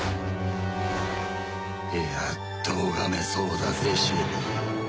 やっと拝めそうだぜシェリー。